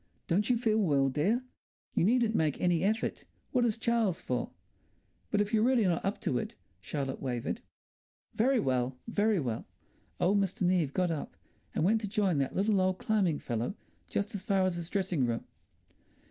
"Don't you feel well, dear?" "You needn't make any effort. What is Charles for?" "But if you're really not up to it," Charlotte wavered. "Very well! Very well!" Old Mr. Neave got up and went to join that little old climbing fellow just as far as his dressing room....